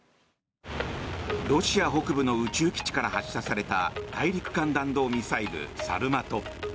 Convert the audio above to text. ロシア北部の宇宙基地から発射された大陸間弾道ミサイル、サルマト。